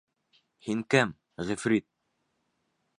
— Һин кем, ғифрит?